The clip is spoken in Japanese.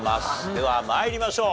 では参りましょう。